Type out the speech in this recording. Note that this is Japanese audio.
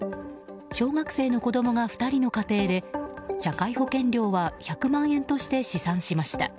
小学生の子供が２人の家庭で社会保険料は１００万円として試算しました。